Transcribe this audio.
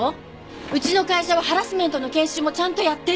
うちの会社はハラスメントの研修もちゃんとやってる！